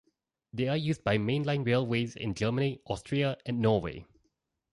They are used by mainline railways in Germany, Austria and Norway.